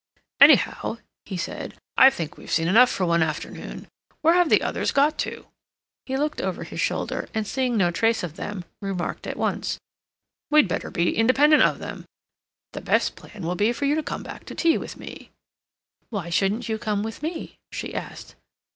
"Anyhow," he added, "I think we've seen enough for one afternoon. Where have the others got to?" He looked over his shoulder, and, seeing no trace of them, remarked at once: "We'd better be independent of them. The best plan will be for you to come back to tea with me." "Why shouldn't you come with me?" she asked.